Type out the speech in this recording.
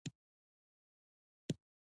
ایا زه خولۍ په سر کولی شم؟